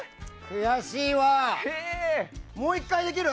悔しいわ。